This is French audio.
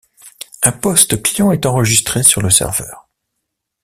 Un poste client est enregistré sur le serveur.